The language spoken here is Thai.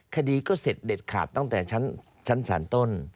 คดีก็เสร็จเด็ดขาดตั้งแต่ชั้นศาลต้น